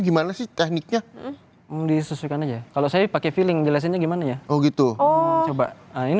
gimana sih tekniknya disesuaikan aja kalau saya pakai feeling jelasinnya gimana ya oh gitu coba ini